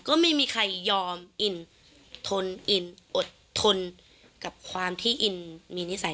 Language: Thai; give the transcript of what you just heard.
ก็ไม่มีใครยอมอินทนอินอดทนกับความที่อินมีนิสัย